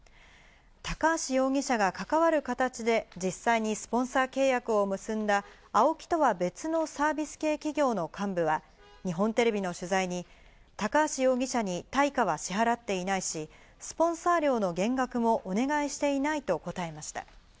高橋容疑者が関わる形で実際にスポンサー契約を結んだＡＯＫＩとは別のサービス系企業の幹部は、日本テレビの取材に高橋容疑者に対価は支払っていないし、スポンサー料の減額もお願いしていないと答えました。